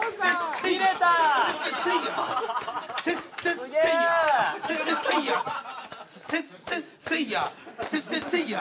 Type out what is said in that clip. せっせっせいや！